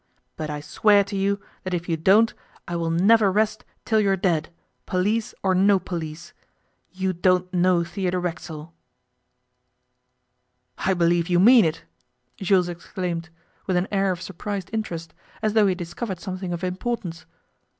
But I swear to you that if you don't I will never rest till you are dead, police or no police. You don't know Theodore Racksole.' 'I believe you mean it,' Jules exclaimed, with an air of surprised interest, as though he had discovered something of importance.